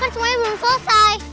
kek semuanya belum selesai